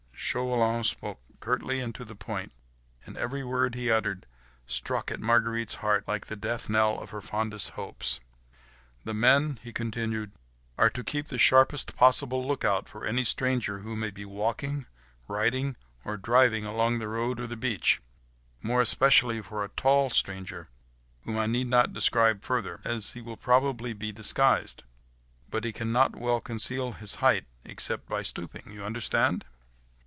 Chauvelin spoke curtly and to the point, and every word he uttered struck at Marguerite's heart like the death knell of her fondest hopes. "The men," he continued, "are to keep the sharpest possible look out for any stranger who may be walking, riding, or driving, along the road or the beach, more especially for a tall stranger, whom I need not describe further, as probably he will be disguised; but he cannot very well conceal his height, except by stooping. You understand?"